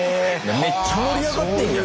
めっちゃ盛り上がってんじゃん！